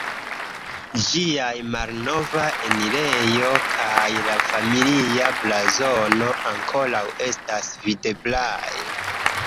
Ĝiaj malnova enirejo kaj la familia blazono ankoraŭ estas videblaj.